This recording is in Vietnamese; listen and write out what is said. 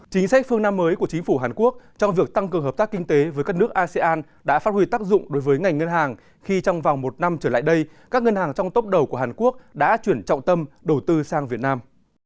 chính sách phương nam mới của chính phủ hàn quốc trong việc tăng cường hợp tác kinh tế với các nước asean đã phát huy tác dụng đối với ngành ngân hàng khi trong vòng một năm trở lại đây các ngân hàng trong tốc đầu của hàn quốc đã chuyển trọng tâm đầu tư sang việt nam